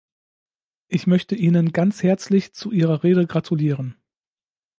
Ich möchte Ihnen ganz herzlich zu Ihrer Rede gratulieren!